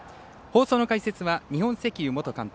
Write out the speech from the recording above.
放送の解説は日本石油元監督